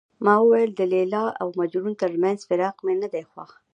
ما وویل د لیلا او مجنون ترمنځ فراق مې نه دی خوښ.